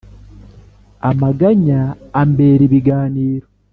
amaganya ambera ibiganiro,